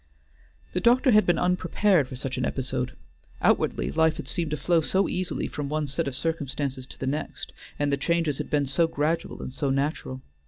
The doctor had been unprepared for such an episode; outwardly, life had seemed to flow so easily from one set of circumstances to the next, and the changes had been so gradual and so natural.